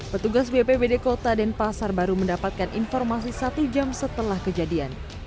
petugas bpbd kota denpasar baru mendapatkan informasi satu jam setelah kejadian